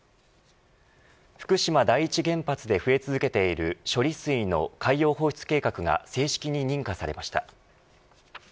福島第一原発で増え続けている処理水の海洋放出計画が正式に認可されました。